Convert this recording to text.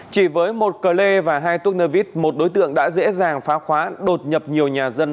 chỉ với một cờ lê và hai túc nơ vít một đối tượng đã dễ dàng phá khóa đột nhập nhiều nhà dân